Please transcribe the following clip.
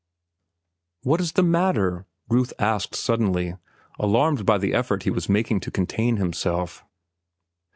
"What is the matter?" Ruth asked suddenly alarmed by the effort he was making to contain himself.